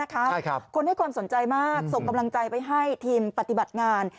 คนให้ความสนใจมากส่งกำลังใจไปให้ทีมปฏิบัติงาน